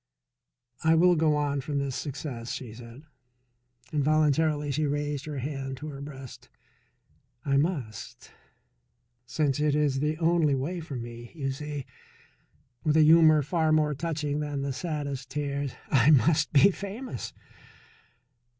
"I will go on from this success," she said. Involuntarily she raised her hand to her breast. "I must, since it is the only way for me. You see," with a humour far more touching than the saddest tears, "I must be famous."